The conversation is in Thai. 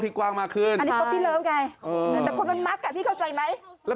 แบบนี้เลย